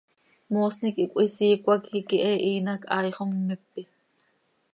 Moosni quih cöhisiicö hac iiqui he ihiin hac haai xommipi.